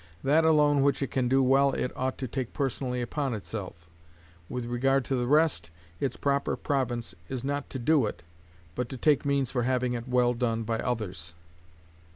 That alone which it can do well it ought to take personally upon itself. With regard to the rest, its proper province is not to do it, but to take means for having it well done by others.